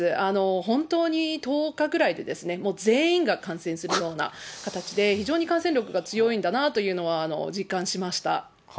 本当に１０日ぐらいで、もう全員が感染するような形で、非常に感染力が強いんだなというのは実感しました。